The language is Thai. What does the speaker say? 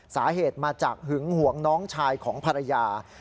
สาเหตุมาจากหึงหวงน้องชายของภรรยา